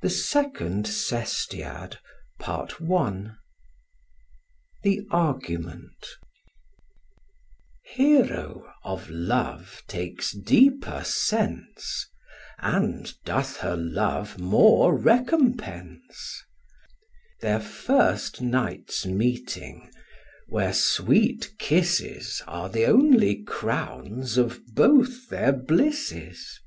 THE SECOND SESTIAD THE ARGUMENT OF THE SECOND SESTIAD Hero of love takes deeper sense, And doth her love more recompense: Their first night's meeting, where sweet kisses Are th' only crowns of both their blisses.